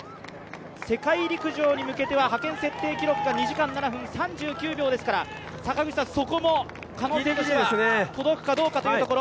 世界陸上に向けては派遣設定記録が２時間時間７分３９秒ですからそこも届くかどうかというところ。